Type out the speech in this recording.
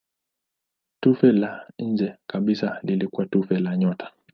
Tufe la nje kabisa lilikuwa tufe la nyota.